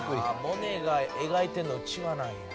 モネが描いてるのうちわなんや。